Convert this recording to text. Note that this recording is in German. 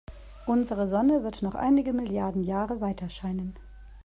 Unsere Sonne wird noch einige Milliarden Jahre weiterscheinen.